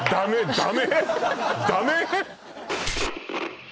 ダメ？